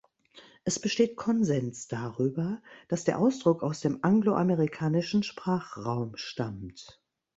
Es besteht Konsens darüber, dass der Ausdruck aus dem angloamerikanischen Sprachraum stammt.